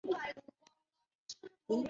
游戏获得国家冰球联盟的许可。